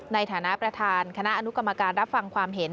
ในฐานะประธานคณะอนุกรรมการรับฟังความเห็น